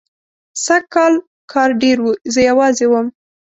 سږکال کار ډېر و، زه یوازې وم.